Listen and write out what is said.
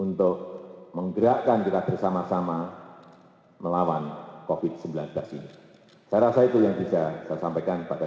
untuk mencari jalan untuk cuci tangan yang bersih tetap belajar tetap bekerja dan